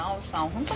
本当